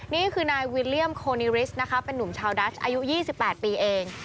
นี่คือนายวิลเลี่ยมโคนิริสนะคะเป็นนุ่มชาวดัชอายุ๒๘ปีเอง